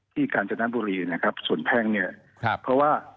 กาญจนบุรีนะครับส่วนแพ่งเนี่ยครับเพราะว่า